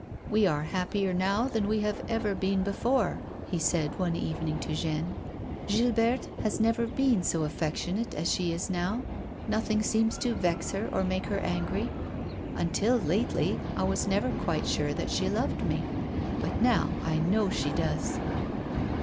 " We are happier now than we have ever been before," he said, one evening, to Jeanne. " Gilberte has never been so affectionate as she is now ; nothing seems to vex her or make her angry. Until lately I was never quite sure that she loved me, but now I know she does."